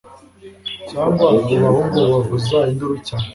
cyangwa abo bahungu bavuza induru cyane